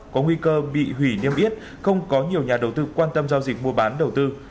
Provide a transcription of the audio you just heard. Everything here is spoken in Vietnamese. có nguy cơ bị hủy niêm yết không có nhiều nhà đầu tư quan tâm giao dịch mua bán đầu tư